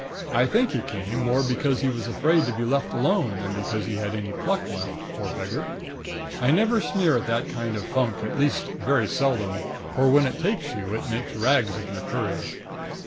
I think he came, more because he was afraid to be left alone, than because he had any pluck left, poor beggar. I never sneer at that kind of funk, at least very seldom; for when it takes hold of you, it makes rags of your courage.